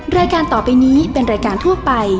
รายการต่อไปนี้เป็นรายการทั่วไป